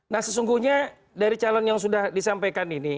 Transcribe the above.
nah sesungguhnya dari calon yang sudah disampaikan ini